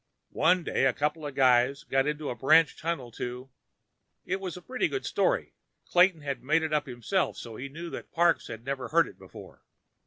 One day, a couple of guys went to a branch tunnel to—" It was a very good story. Clayton had made it up himself, so he knew that Parks had never heard it before.